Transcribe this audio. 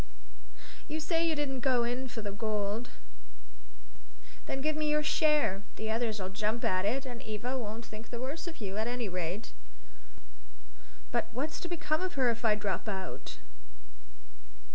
"You say you didn't go in for the gold? Then give up your share; the others'll jump at it; and Eva won't think the worse of you, at any rate." "But what's to become of her if I drop out?